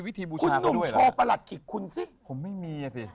คิกคิกคิกคิกคิกคิกคิกคิกคิกคิกคิกคิกคิกคิก